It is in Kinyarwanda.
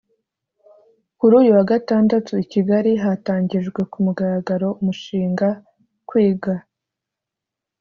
Kuri uyu wa Gatandatu i Kigali hatangijwe ku mugaragaro umushinga ‘’Kwiga